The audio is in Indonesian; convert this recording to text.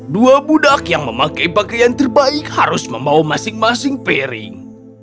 dua budak yang memakai pakaian terbaik harus membawa masing masing piring